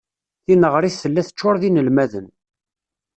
Tineɣrit tella teččur d inelmaden.